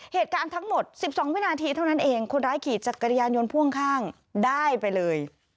เหตุการณ์ทั้งหมด๑๒วินาทีเท่านั้นเองคนร้ายขี่จักรยานยนต์พ่วงข้างได้ไปเลย